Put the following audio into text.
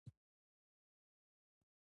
سندره د ناورینونو کیسه کوي